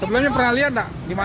sebelumnya pernah lihat nggak